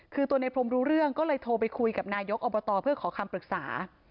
คือตัวในพรมรู้เรื่องก็เลยโทรไปคุยกับนายกอบตเพื่อขอคำปรึกษา